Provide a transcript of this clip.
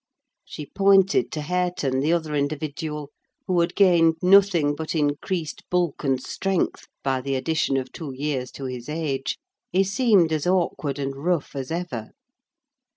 She pointed to Hareton, the other individual, who had gained nothing but increased bulk and strength by the addition of two years to his age: he seemed as awkward and rough as ever.